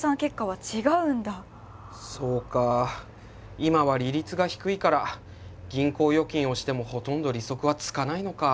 今は利率が低いから銀行預金をしてもほとんど利息は付かないのか。